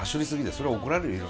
それは怒られるよ。